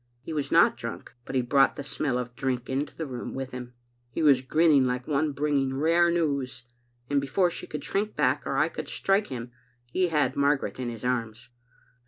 He was not drunk, but he brought the smell of drink into the room with him. He was grinning like one bringing rare news, and before she could shrink back or I could strike him he had Mar garet in his arms.